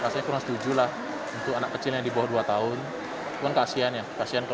rasanya kurang setuju lah untuk anak kecil yang di bawah dua tahun pun kasihan ya